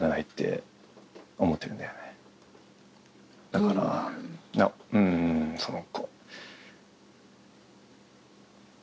だからうんその。